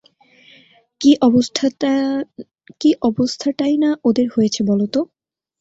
কী অবস্থাটাই না ওদের হয়েছে বলো তো?